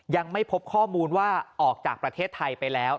ยังไม่พบข้อมูลว่าออกจากประเทศไทยไปแล้ว